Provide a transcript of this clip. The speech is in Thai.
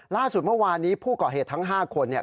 ล่าสุดเมื่อวานนี้ผู้ก่อเหตุทั้ง๕คนเนี่ย